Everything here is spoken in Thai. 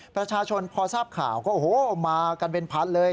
ประชาชนพอทราบข่าวก็โอ้โหมากันเป็นพันเลย